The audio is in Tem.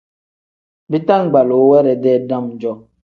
Bitangbaluu we dedee dam-jo.